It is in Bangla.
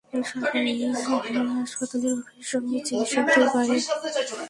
সরকারি হাসপাতালের অফিস সময়ে চিকিৎসকদের বাইরে কোনো ক্লিনিকে সেবা দেওয়া অন্যায়।